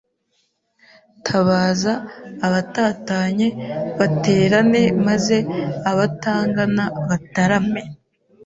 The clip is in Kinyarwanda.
Tabaza abatatanye baterane Maze abatangana batarame